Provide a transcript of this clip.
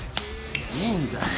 いいんだよ